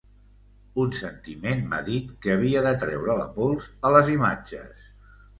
Un sentiment m’ha dit que havia de traure la pols a les imatges.